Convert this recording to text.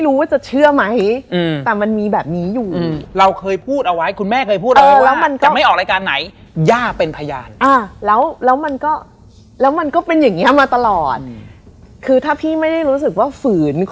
เขาก็แบบมันก็ไม่ใช่พี่คนเดียวหรอกที่เลือก